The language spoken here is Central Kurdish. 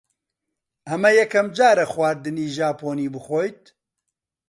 ئەمە یەکەم جارە خواردنی ژاپۆنی بخۆیت؟